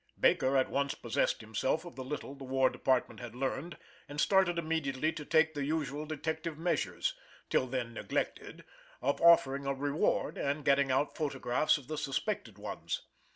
Baker at once possessed himself of the little the War Department had learned, and started immediately to take the usual detective measures, till then neglected, of offering a reward and getting out photographs of the suspected ones.